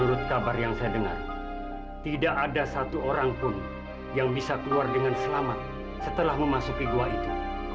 menurut kabar yang saya dengar tidak ada satu orang pun yang bisa keluar dengan selamat setelah memasuki gua itu